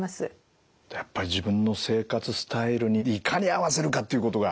やっぱり自分の生活スタイルにいかに合わせるかっていうことが。